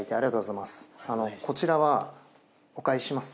こちらはお返しします。